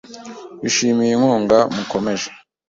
Twishimiye inkunga mukomeje .